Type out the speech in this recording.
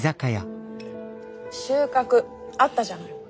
収穫あったじゃない。